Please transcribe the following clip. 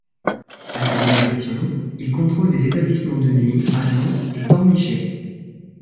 À sa libération, il contrôle des établissements de nuit à Nantes et Pornichet.